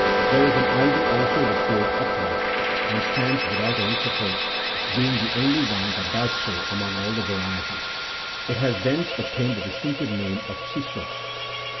There is an ivy also which grows upright,16 and stands without any support; being the only one that does so among all the varieties, it has thence ob tained the distinctive name of " cissos."